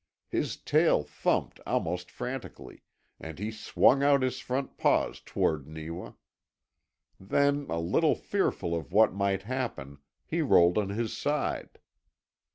His tail thumped almost frantically, and he swung out his front paws toward Neewa. Then, a little fearful of what might happen, he rolled on his side.